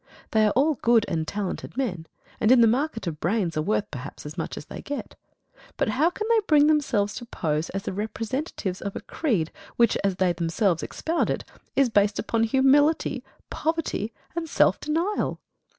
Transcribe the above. They are all good and talented men, and in the market of brains are worth perhaps as much as they get. But how can they bring themselves to pose as the representatives of a creed, which, as they themselves expound it, is based upon humility, poverty, and self denial?